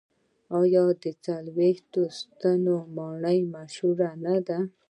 آیا د څلوېښت ستنو ماڼۍ مشهوره نه ده؟